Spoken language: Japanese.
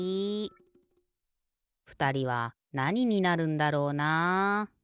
ふたりはなにになるんだろうな。